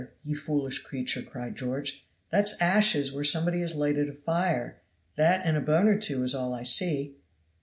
ye foolish creature," cried George; "that's ashes where somebody has lighted a fire; that and a bone or two is all I see."